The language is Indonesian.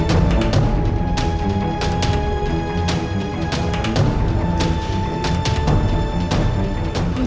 dewa temen aku